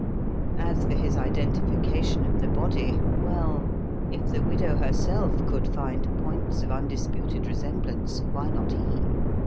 As for his identification of the body well, if the widow herself could find points of undisputed resemblance, why not he?